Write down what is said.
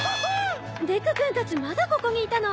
デク君たちまだここにいたの？